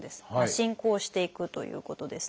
進行していくということですね。